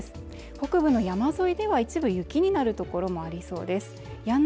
北部の山沿いでは一部雪になるところもありそうですやん